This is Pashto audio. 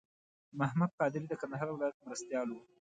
محمد قادري د کندهار ولایت مرستیال و.